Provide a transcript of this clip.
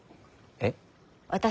えっ。